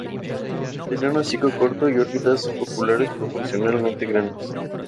Tenía un hocico corto y órbitas oculares proporcionalmente grandes.